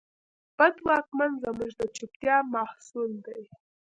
بد واکمن زموږ د چوپتیا محصول دی.